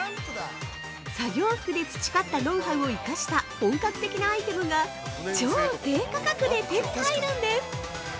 作業服で培ったノウハウを生かした本格的なアイテムが超低価格で手に入るんです！